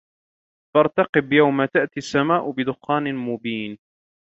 فَارْتَقِبْ يَوْمَ تَأْتِي السَّمَاءُ بِدُخَانٍ مُبِينٍ